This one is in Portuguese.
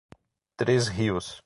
Três Rios